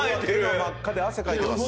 手が真っ赤で汗かいてます。